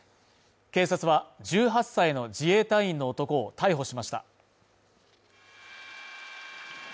警察は、１８歳の自衛隊員の男を逮捕しました。